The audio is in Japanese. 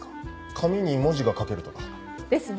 「紙に文字が書ける」とか。ですね。